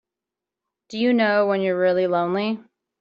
Do you know when you're really lonely?